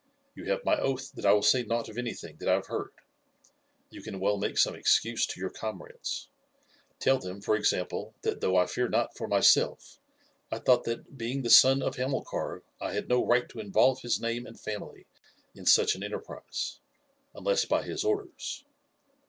You have my oath that I will say nought of anything that I have heard. You can well make some excuse to your comrades. Tell them, for example, that though I fear not for myself, I thought that, being the son of Hamilcar, I had no right to involve his name and family in such an enterprise, unless by his orders."